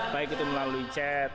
baik itu melalui chat